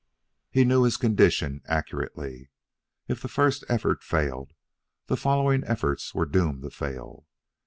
He knew his condition accurately. If the first effort failed, the following efforts were doomed to fail.